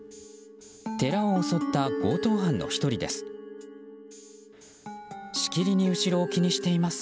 寺を襲った強盗犯の１人です。